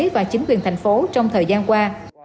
và chính quyền thành phố trong thời gian qua